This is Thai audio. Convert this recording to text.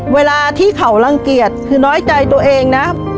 เวลาที่เขารังเกียจคือน้อยใจตัวเองนะ